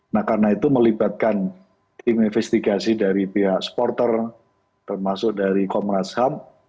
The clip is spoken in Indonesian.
nah karena itu melibatkan tim investigasi dari pihak supporter termasuk dari komnas ham